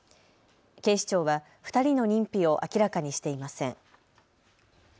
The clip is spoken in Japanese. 警視庁は２人の認否を明らかにしていません。